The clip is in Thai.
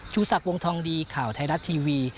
สักวงทองดีข่าวไทยรัฐทีวี